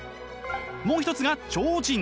もう一つが超人。